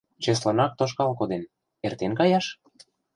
Чеслынак тошкал коден, эртен каяш?